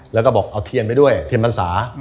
แล้วก็บอกเอาเทียนไปด้วยเทียนพรรษา